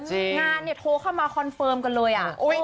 งานเนี่ยโทรเข้ามาคอนเฟิร์มกันเลย